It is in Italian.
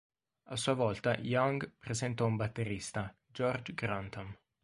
A sua volta Young presentò un batterista, George Grantham.